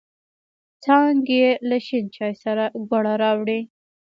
څانگې له شین چای سره گوړه راوړې.